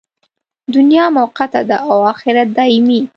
دنیا موقته ده، اخرت دایمي.